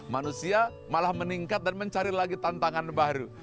manusia malah meningkat dan mencari lagi tantangan baru